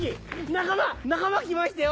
仲間仲間来ましたよ！